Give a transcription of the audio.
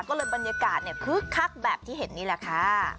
ก็เลยบรรยากาศคึกคักแบบที่เห็นนี่แหละค่ะ